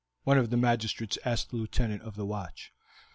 one of the magistrates asked the Lieutenant of the watch.